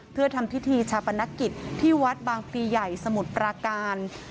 เพื่อทำพิธีชาปนกิจที่วัดบางพลีใหญ่สมุทรปราการ